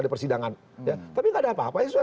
di persidangan tapi nggak ada apa apa